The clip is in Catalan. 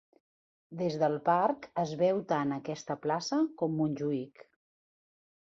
Des del parc es veu tant aquesta plaça com Montjuïc.